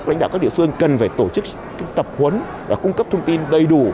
lãnh đạo các địa phương cần phải tổ chức tập huấn và cung cấp thông tin đầy đủ